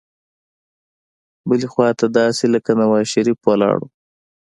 بلې خوا ته داسې لکه نوزا شریف ولاړ وو.